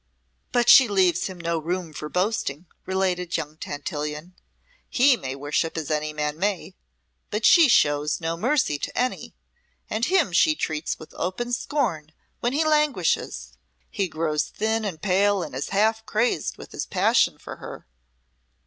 "But she leaves him no room for boasting," related young Tantillion. "He may worship as any man may, but she shows no mercy to any, and him she treats with open scorn when he languishes. He grows thin and pale and is half crazed with his passion for her."